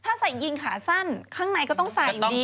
ถ้าใส่ยิงขาสั้นข้างในก็ต้องใส่อย่างนี้